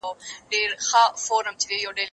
هغه څوک چي موبایل کاروي پوهه زياتوي